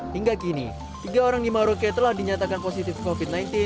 hingga kini tiga orang di maroke telah dinyatakan positif covid sembilan belas